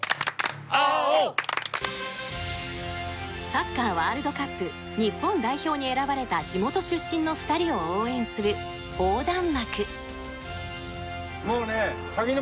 サッカーワールドカップ日本代表に選ばれた地元出身の２人を応援する横断幕。